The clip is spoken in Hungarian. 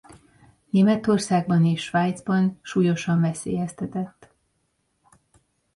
Németországban és Svájcban súlyosan veszélyeztetett.